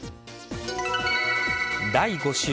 第５週。